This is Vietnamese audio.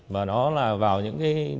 và nó là vào những